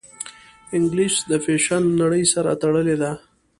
انګلیسي د فیشن نړۍ سره تړلې ده